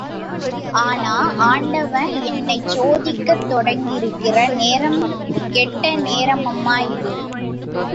ஆனா, ஆண்டவன் என்னைச் சோதிக்கத் தொடங்கியிருக்கிற நேரம் கெட்ட நேரமம்மா இது!...